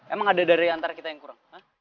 emang ada dari antara kita yang kurang